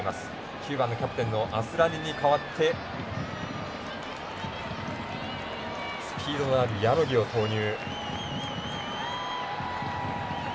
９番のアスラニに代わってスピードのあるヤノギを投入。